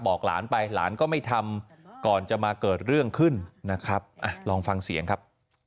บอกหลานไปหลานก็ไม่ทำก่อนจะมาเกิดเรื่องขึ้นนะครับลองฟังเสียงครับ